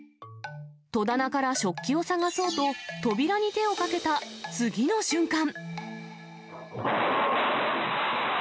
戸棚から食器を探そうと、扉に手をかけた次の瞬間。